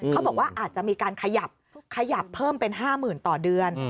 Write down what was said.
เขาบอกว่าอาจจะมีการขยับขยับเพิ่มเป็น๕๐๐๐ต่อเดือน